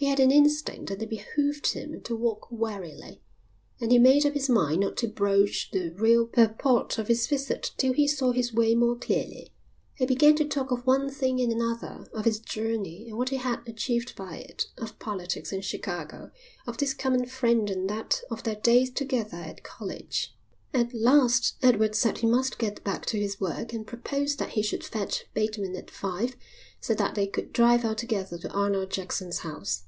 He had an instinct that it behooved him to walk warily, and he made up his mind not to broach the real purport of his visit till he saw his way more clearly. He began to talk of one thing and another, of his journey and what he had achieved by it, of politics in Chicago, of this common friend and that, of their days together at college. At last Edward said he must get back to his work and proposed that he should fetch Bateman at five so that they could drive out together to Arnold Jackson's house.